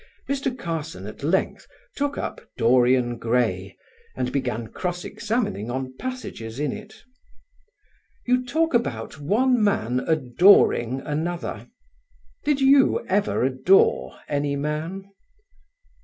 Mr. Carson at length took up "Dorian Gray" and began cross examining on passages in it. "You talk about one man adoring another. Did you ever adore any man?"